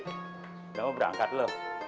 kamu berangkat loh